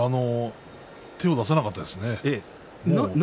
手を出せなかったですね。